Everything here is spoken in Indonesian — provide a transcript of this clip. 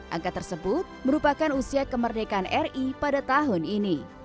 angka tersebut merupakan usia kemerdekaan ri pada tahun ini